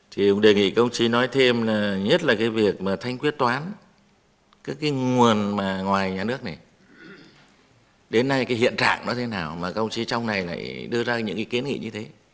thì đề nghị công sĩ nói thêm là nhất là cái việc mà thanh quyết toán các cái nguồn ngoài nhà nước này đến nay cái hiện trạng nó thế nào mà công sĩ trong này lại đưa ra những ý kiến nghị như thế